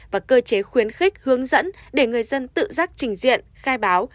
và cơ chế khuyến khích hướng dẫn để người dân tự giác trình diện khai báo